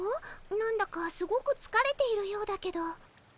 何だかすごくつかれているようだけど。